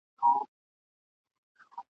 په قفس کي مي زړه شین دی له پردیو پسرلیو !.